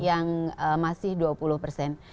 yang masih dua puluh persen